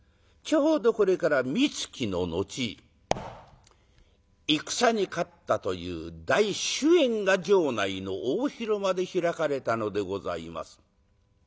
ちょうどこれからみつきの後戦に勝ったという大酒宴が城内の大広間で開かれたのでございます。